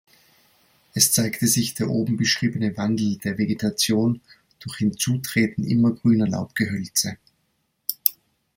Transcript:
Es zeigte sich der oben beschriebene Wandel der Vegetation, durch Hinzutreten immergrüner Laubgehölze.